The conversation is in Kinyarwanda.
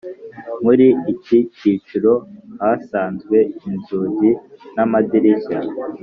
Muri iki cyiciro hasanzwe inzugi n’amadirishya.